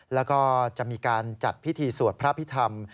แล้วก็จะมีการจัดพิธีสวดพระพิธรรม